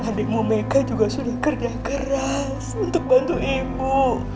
adikmu mereka juga sudah kerja keras untuk bantu ibu